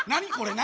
何？